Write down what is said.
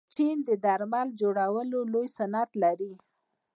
چین د درمل جوړولو لوی صنعت لري.